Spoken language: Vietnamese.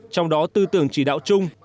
trong đó tư tưởng chỉ đạo chung